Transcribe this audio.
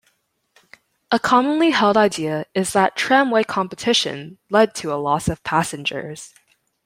A commonly held idea is that tramway competition led to a loss of passengers.